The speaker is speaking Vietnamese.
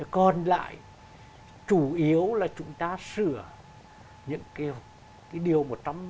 còn lại chủ yếu là chúng ta sửa những cái điều một trăm chín mươi